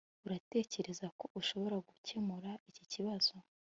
uratekereza ko ushobora gukemura iki kibazo